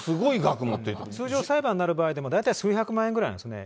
通常、裁判になる場合でも、大体数百万円ぐらいなんですね。